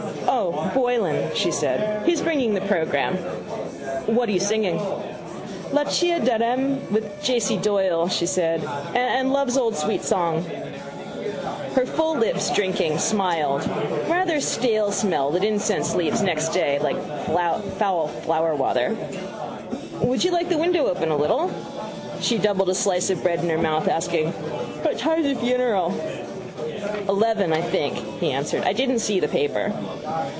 —O, Boylan, she said. He's bringing the programme. —What are you singing? —Là ci darem with J. C. Doyle, she said, and Love's Old Sweet Song. Her full lips, drinking, smiled. Rather stale smell that incense leaves next day. Like foul flowerwater. —Would you like the window open a little? She doubled a slice of bread into her mouth, asking: —What time is the funeral? —Eleven, I think, he answered. I didn't see the paper.